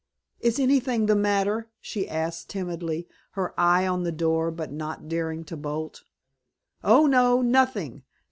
"Is anything the matter?" she asked timidly, her eye on the door but not daring to bolt. "Oh, no, nothing!